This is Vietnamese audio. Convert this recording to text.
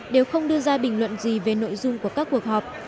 đều không đưa ra bình luận gì về nội dung của các cuộc họp